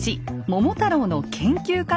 「桃太郎」研究家。